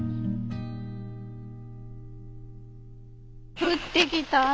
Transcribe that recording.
降ってきた雨。